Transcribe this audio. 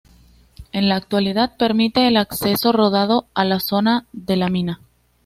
En la actualidad permite el acceso rodado a la zona de La Mina.